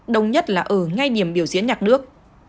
đông nhất là ở ngay niềm biểu diễn nhạc nước